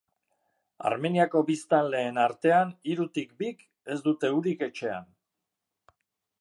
Armeniako biztanleen artean hirutik bik ez dute urik etxean.